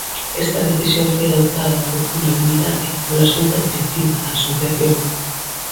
Esta decisión foi adoptada por unanimidade pola xunta directiva da asociación.